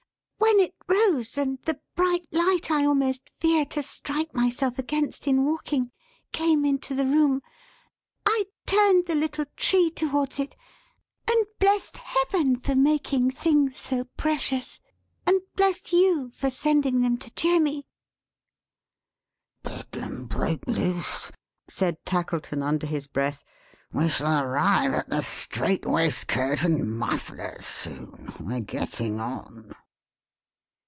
"When it rose, and the bright light I almost fear to strike myself against in walking, came into the room, I turned the little tree towards it, and blessed Heaven for making things so precious, and blessed you for sending them to cheer me!" "Bedlam broke loose!" said Tackleton under his breath. "We shall arrive at the strait waistcoat and mufflers soon. We're getting on!"